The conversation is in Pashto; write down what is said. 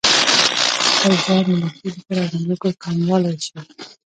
په خپل ځان د منفي فکر او نيوکو کمولای شئ.